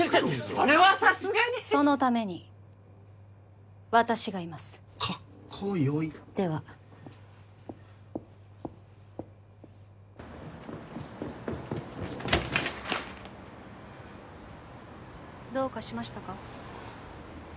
それはさすがにそのために私がいますカッコよいではどうかしましたか？